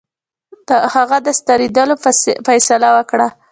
هغه د ستنېدلو فیصله وکړه.